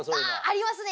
ありますね。